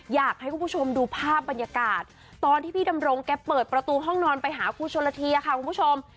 อยากให้คุณผู้ชมดูภาพบรรยากาศตอนที่พี่ดำรงแกเปิดประตูห้องนอนไปหาครูชนละทีค่ะคุณผู้ชม